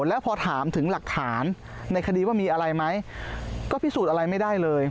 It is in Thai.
แล้วพอถามถึงหลักฐานในคดีว่ามีอะไรไหมก็พิสูจน์อะไรไม่ได้เลย